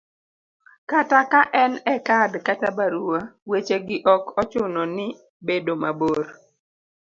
kata ka en e kad kata barua, weche gi ok ochuno ni bedo mabor